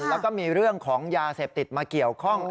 แล้วก็มีเรื่องของยาเสพติดมาเกี่ยวข้อง